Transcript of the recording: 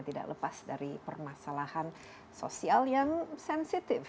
tidak lepas dari permasalahan sosial yang sensitif